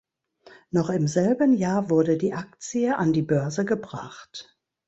Noch im selben Jahr wurde die Aktie an die Börse gebracht.